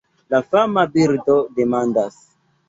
La fama birdo demandas: